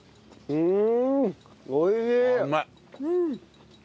うん。